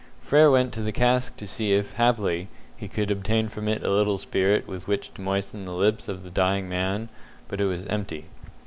Frere went to the cask to see if, haply, he could obtain from it a little spirit with which to moisten the lips of the dying man, but it was empty.